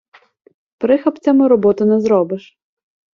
Прихапцями роботу не зробиш.